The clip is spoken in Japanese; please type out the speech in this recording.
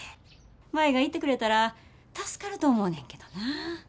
舞が行ってくれたら助かると思うねんけどな。